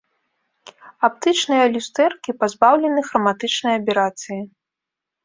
Аптычныя люстэркі пазбаўлены храматычнай аберацыі.